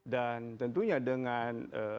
dan tentunya dengan